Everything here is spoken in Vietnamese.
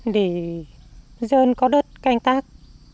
để dân có đất canh tác